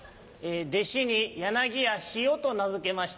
弟子に柳家シオと名付けました。